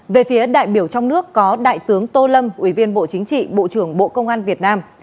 về phía đại biểu trong nước có đại tướng tô lâm ủy viên bộ chính trị bộ trưởng bộ công an việt nam